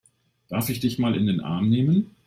Darf ich dich mal in den Arm nehmen?